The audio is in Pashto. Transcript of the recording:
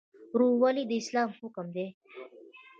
ورورولي د اسلام حکم دی